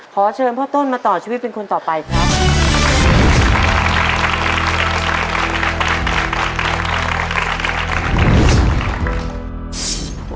ขอเชิญพ่อต้นมาต่อชีวิตเป็นคนต่อไปครับ